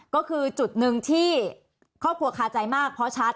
ก็คือจุดหนึ่งที่ครอบครัวคาใจมากเพราะชัด